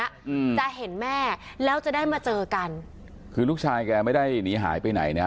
อืมจะเห็นแม่แล้วจะได้มาเจอกันคือลูกชายแกไม่ได้หนีหายไปไหนนะฮะ